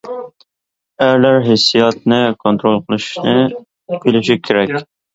ئەرلەر ھېسسىياتنى كونترول قىلىشنى بىلىشى كېرەك.